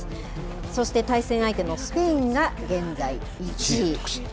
そして、対戦相手のスペインが現在１位。